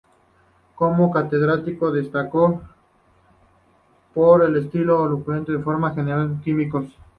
Como catedrático destacó por su estilo elocuente, formó a muchas generaciones de químicos.